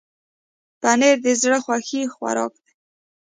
پنېر د زړه خوښي خوراک دی.